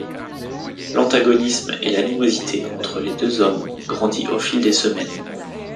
L'antagonisme et l'animosité entre les deux hommes grandit au fil des semaines.